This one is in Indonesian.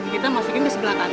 kita masukin ke sebelah kanan